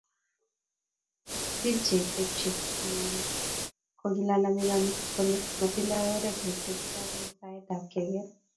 Bil che tepche eng oli kokilalamikaniki kole matindo oret netepto eng saet ab keker.